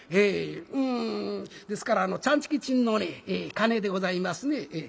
んですからあのチャンチキチンのね鉦でございますね。